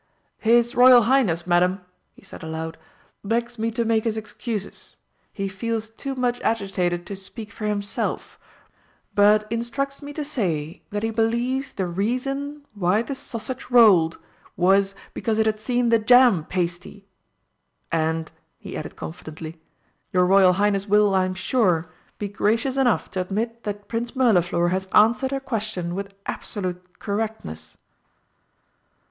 His Royal Highness, Madam," he said aloud, "begs me to make his excuses. He feels too much agitated to speak for himself, but instructs me to say that he believes the reason why the sausage rolled was because it had seen the jam pasty. And," he added confidently, "your Royal Highness will, I am sure, be gracious enough to admit that Prince Mirliflor has answered her question with absolute correctness."